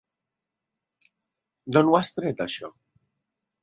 D'on ho has tret, això?